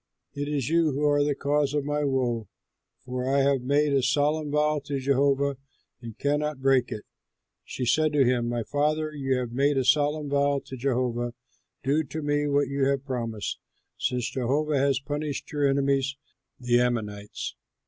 It is you who are the cause of my woe! for I have made a solemn vow to Jehovah and cannot break it." She said to him, "My father, you have made a solemn vow to Jehovah; do to me what you have promised, since Jehovah has punished your enemies the Ammonites.